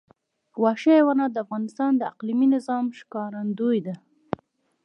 وحشي حیوانات د افغانستان د اقلیمي نظام ښکارندوی ده.